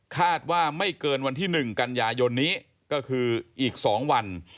คาดว่าไม่เกินวันที่๑กันยายนนี้ก็คืออีก๒วัน